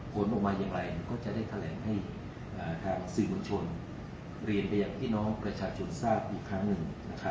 ผลออกมาอย่างไรก็จะได้แถลงให้ทางสื่อมวลชนเรียนไปยังพี่น้องประชาชนทราบอีกครั้งหนึ่ง